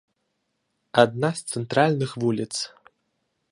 Адна з цэнтральных вуліц.